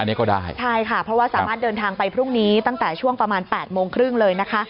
อันนี้ก็ได้ใช่ค่ะเพราะว่าสามารถเดินทางไปพรุ่งนี้ตั้งแต่ช่วงประมาณ๘โมงครึ่งเลยนะคะ